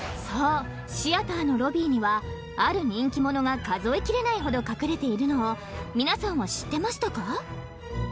［そうシアターのロビーにはある人気者が数えきれないほど隠れているのを皆さんは知ってましたか？］